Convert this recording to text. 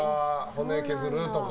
骨削るとか。